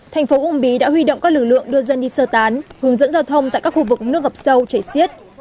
thành phố uông bí đã huy động các lực lượng đưa dân đi sơ tán hướng dẫn giao thông tại các khu vực nước ngập sâu chảy xiết